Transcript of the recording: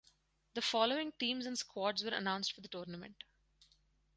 The following teams and squads were announced for the tournament.